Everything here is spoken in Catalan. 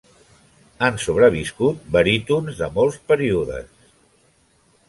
Han sobreviscut barítons de molts períodes.